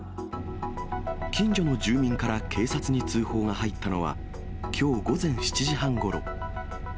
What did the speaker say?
近所の住民から警察に通報が入ったのは、きょう午前７時半ごろ。